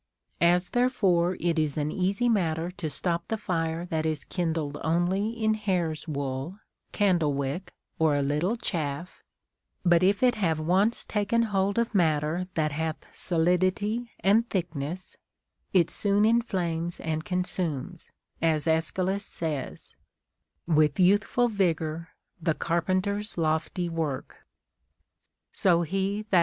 4. As therefore it is an easy matter to stop the fire that is kindled only in hare's wool, candle wick, or a little chaff, but if it have once taken hold of matter that hath solidity and thickness, it soon inflames and consumes, as Aeschylus says, — With youthful vigor the carpenter's lofty work ; SO he that «.